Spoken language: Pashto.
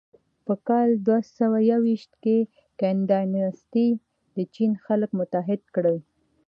په کال دوهسوهیوویشت کې کین ډایناسټي د چین خلک متحد کړل.